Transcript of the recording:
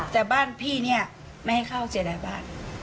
แต่บ้านพี่เนี่ยไม่ให้เข้าเสียดายบ้าน